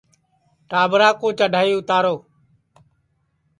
ٹاٻرا کُو چڈھائی اُتاریں